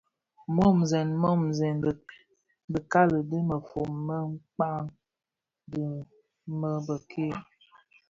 Mmusèn musèn dhilami di mefom me mkpag dhi më bëk-ke,